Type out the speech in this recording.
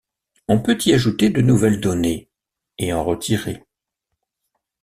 On peut y ajouter de nouvelles données, et en retirer.